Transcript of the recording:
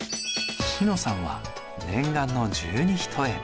詩乃さんは念願の十二単。